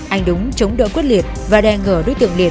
anh đúng chống đỡ quyết liệt và đè ngờ đối tượng liệt